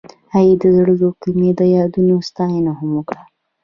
هغې د زړه له کومې د یادونه ستاینه هم وکړه.